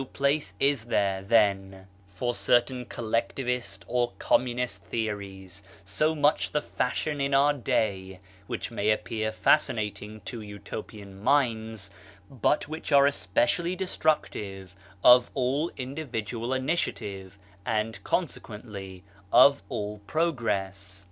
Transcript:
5 (Chicago 1906), WORK 169 collectivist or communist theories, so much the fashion in our day, which may appear fascinating to Utopian minds but which are especially destructive of all individual initiative, and consequently of all progress.